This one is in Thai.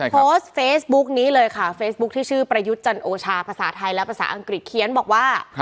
โพสต์เฟซบุ๊กนี้เลยค่ะเฟซบุ๊คที่ชื่อประยุทธ์จันโอชาภาษาไทยและภาษาอังกฤษเขียนบอกว่า